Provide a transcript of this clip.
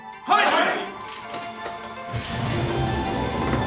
はい！